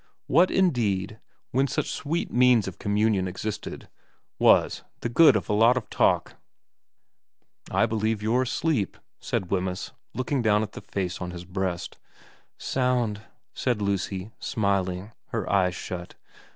What, indeed, when such sweet means of communion existed, was the good of a lot of talk ?' I believe you're asleep/ said Wemyss, looking down at the face on his breast. * Sound,' said Lucy, smiling, her eyes shut.